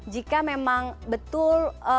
jika memang betul